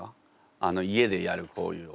あの家でやるこういう。